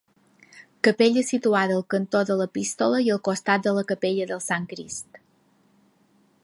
Capella situada al cantó de l'epístola i al costat de la capella del Sant Crist.